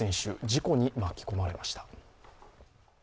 事故に巻き込まれました。